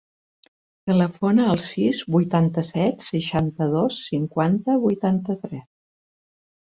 Telefona al sis, vuitanta-set, seixanta-dos, cinquanta, vuitanta-tres.